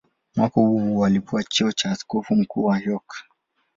Mwaka huohuo alipewa cheo cha askofu mkuu wa York.